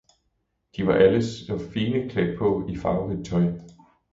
De var alle så fine klædt på i farverigt tøj.